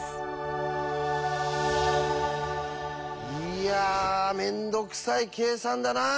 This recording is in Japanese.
いや面倒くさい計算だなあ。